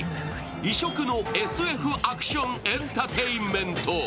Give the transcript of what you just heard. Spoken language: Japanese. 異色のＳＦアクションエンターテインメント。